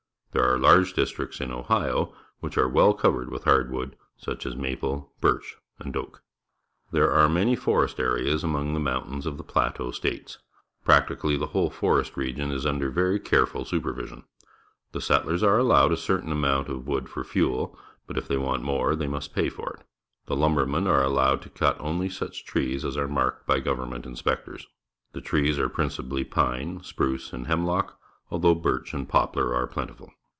There are large dist ricts in Ohio which are well co\ered with hard wood, such as maple, birch, and oak. There are maiiyTor^st areas aml5tig the mountains of the Plateau States. Practically the whole forest region is under very careful super\ ision. The settlers are allowed a certain amount of wood for fuel, but if they want more they must pay for it. The lum bermen are allowed to cut only such trees as are marked by go\ermnent inspectors. The trees are principalh^ pine, spruce, and hem lock, although birch and poplar are plentiful.